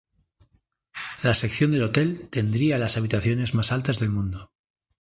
La sección del hotel tendría las habitaciones más altas del mundo.